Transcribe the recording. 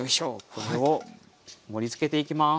これを盛りつけていきます。